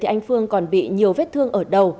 anh phương còn bị nhiều vết thương ở đầu